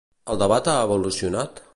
El debat ha evolucionat?